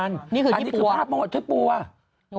อันนี้คือภาพกว่าที่ปลาก่อน